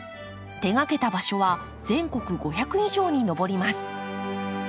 手がけた場所は全国５００以上に上ります。